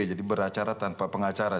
jadi beracara tanpa pengacara